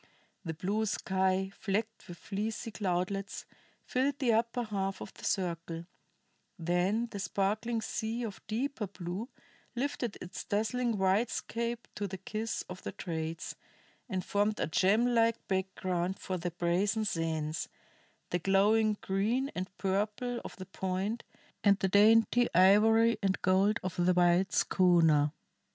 The blue sky, flecked with fleecy cloudlets, filled the upper half of the circle; then the sparkling sea of deeper blue lifted its dazzling whitecaps to the kiss of the trades and formed a gem like background for the brazen sands, the glowing green and purple of the Point, and the dainty ivory and gold of the white schooner.